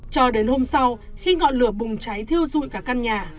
cho đến hôm sau khi ngọn lửa bùng cháy thiêu dụi cả căn nhà